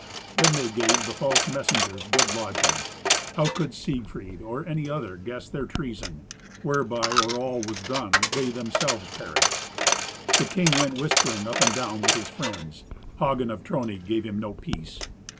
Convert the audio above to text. Then they gave the false messengers good lodging. How could Siegfried or any other guess their treason, whereby, or all was done, they themselves perished? The king went whispering up and down with his friends. Hagen of Trony gave him no peace.